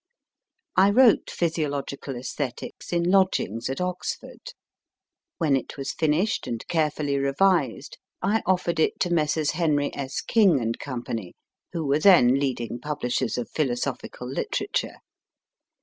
I wrote * Physiological /Esthetics in lodgings at Oxford. When it was finished and carefully revised, I offered it to Messrs. Henry S. King & Co., who were then leading pub lishers of philosophical literature.